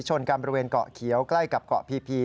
ชนกันบริเวณเกาะเขียวใกล้กับเกาะพี